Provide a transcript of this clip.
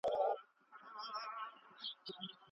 له لاهوره یو لیک ورسېد چې شاه شجاع ته د ژوند ګواښ وکړ.